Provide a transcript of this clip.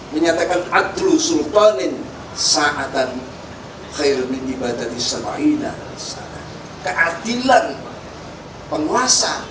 menyatakan adlu sultanin saatan khair min ibadat islamu aina keadilan penguasa